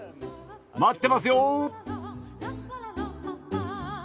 待ってますよ。